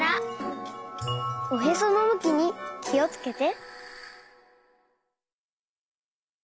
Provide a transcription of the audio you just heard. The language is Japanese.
おへそのむきにきをつけて。